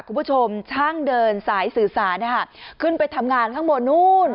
คุณผู้ชมช่างเดินสายสื่อสารขึ้นไปทำงานข้างบนนู้น